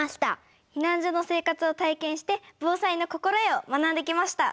避難所の生活を体験して防災の心得を学んできました。